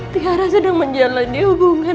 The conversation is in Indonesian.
tiara sedang menjalani hubungan